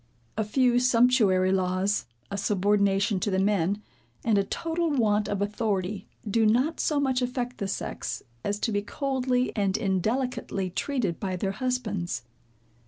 A few sumptuary laws, a subordination to the men, and a total want of authority, do not so much affect the sex, as to be coldly and indelicately treated by their husbands.